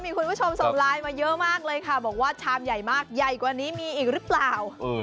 มีคุณผู้ชมส่งไลน์มาเยอะมากเลยค่ะบอกว่าชามใหญ่มากใหญ่กว่านี้มีอีกหรือเปล่า